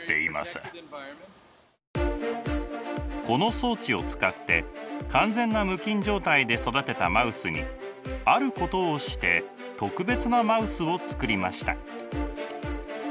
この装置を使って完全な無菌状態で育てたマウスにあることをして特別なマウスをつくりました。